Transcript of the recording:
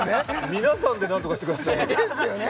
皆さんで何とかしてくださいよですよね